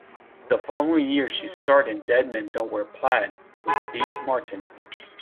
The following year she starred in "Dead Men Don't Wear Plaid" with Steve Martin.